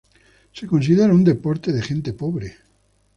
Se considera un deporte de gente pobre.